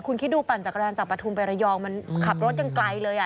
คุณคิดดูปั่นจักรยานจากปฐุมไประยองมันขับรถยังไกลเลย